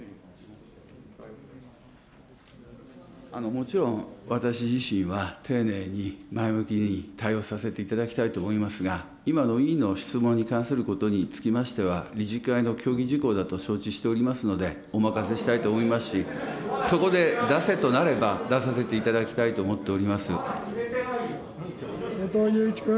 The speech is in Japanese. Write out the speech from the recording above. もちろん、私自身は、丁寧に前向きに対応させていただきたいと思いますが、今の委員の質問に関することにつきましては、理事会の協議事項だと承知しておりますので、お任せしたいと思いますし、そこで出せとなれば、出させていただきたいと思っており後藤祐一君。